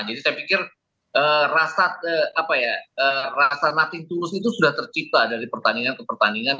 jadi saya pikir rasa nothing to lose itu sudah tercipta dari pertandingan ke pertandingan